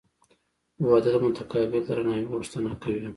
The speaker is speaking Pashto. • واده د متقابل درناوي غوښتنه کوي.